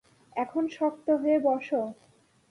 এখন, শক্ত হয়ে বসো।